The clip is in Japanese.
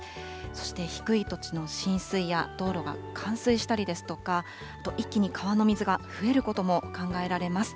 そして低い土地の浸水や、道路が冠水したりですとか、一気に川の水が増えることも考えられます。